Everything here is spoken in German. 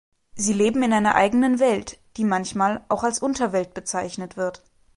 Sie leben in einer eigenen Welt, die manchmal auch als Unterwelt bezeichnet wird.